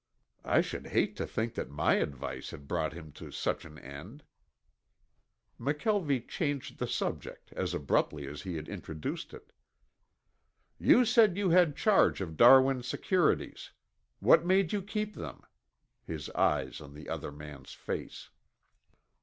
"I should hate to think that my advice had brought him to such an end." McKelvie changed the subject as abruptly as he had introduced it. "You said you had charge of Darwin's securities. What made you keep them?" his eyes on the other man's face.